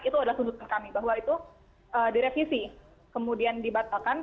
itu adalah tuntutan kami bahwa itu direvisi kemudian dibatalkan